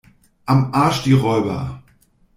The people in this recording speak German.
Am Arsch die Räuber!